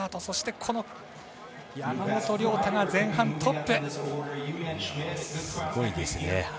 そして、山本涼太が前半、トップ。